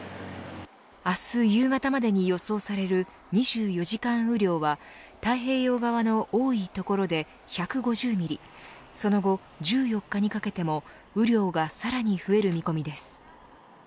明日夕方までに予想される２４時間雨量は太平洋側の多い所で１５０ミリその後１４日にかけても雨量がさらに増える見込みです。